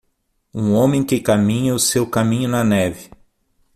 Um homem que caminha o seu caminho na neve.